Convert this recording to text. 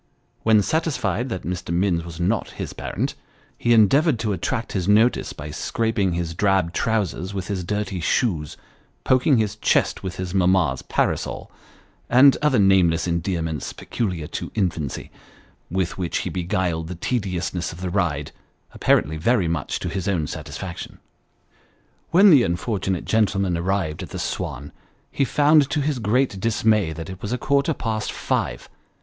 When satisfied that Mr. Minns was not his parent, he endeavoured to attract his notice by scraping his drab trousers with his dirty shoes, poking his chest with his mamma's parasol, and other nameless endearments peculiar to infancy, with which he beguiled the tediousness of the ride, apparently very much to his own satisfaction. When the unfortunate gentleman arrived at the Swan, he found to his great dismay, that it was a quarter past five.